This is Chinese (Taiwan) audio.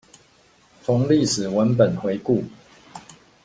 從歷史文本回顧